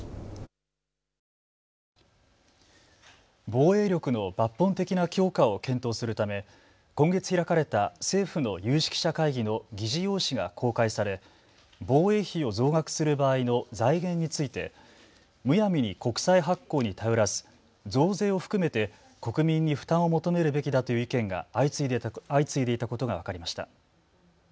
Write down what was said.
防衛力の抜本的な強化を検討するため今月開かれた政府の有識者会議の議事要旨が公開され防衛費を増額する場合の財源について、むやみに国債発行に頼らず、増税を含めて国民に負担を求めるべきだという意見が相次いでいたことが分かりました。